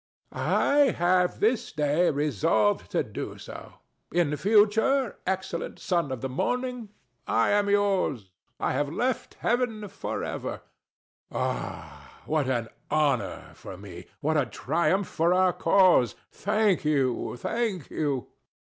I have this day resolved to do so. In future, excellent Son of the Morning, I am yours. I have left Heaven for ever. THE DEVIL. [again grasping his hand] Ah, what an honor for me! What a triumph for our cause! Thank you, thank you.